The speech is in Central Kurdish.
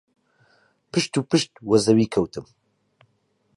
پشت و پشت وە زەوی کەتم.